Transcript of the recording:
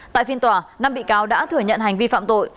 tại phiên tòa năm bị cáo đã thừa nhận hành vi phạm tội